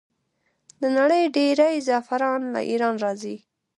د نړۍ ډیری زعفران له ایران راځي.